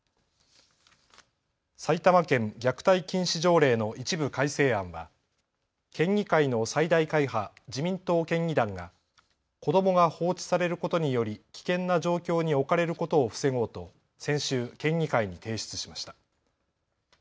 埼玉県虐待禁止条例の一部改正案は県議会の最大会派、自民党県議団が子どもが放置されることにより危険な状況に置かれることを防ごうと先週、県議会に提出しました。